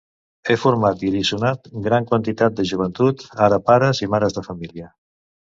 He format i alliçonat gran quantitat de joventut, ara pares i mares de família.